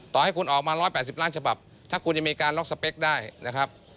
ต่อให้คุณออกมา๑๘๐ล้านฉบับถ้าคุณยังมีการล็อกสเปคได้นะครับ